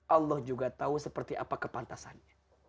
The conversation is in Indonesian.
allah juga tahu seperti apa kepantasannya